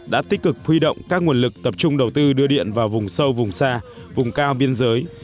đã tích cực huy động các nguồn lực tập trung đầu tư đưa điện vào vùng sâu vùng xa vùng cao biên giới